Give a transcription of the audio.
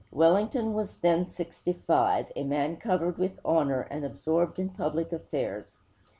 Wellington was then sixty five, a man covered with honor and absorbed in public affairs.